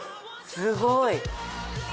すごい！